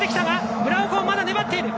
村岡がまだ粘っている。